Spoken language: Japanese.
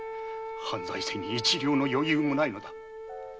藩財政に一両の余裕もないのだ。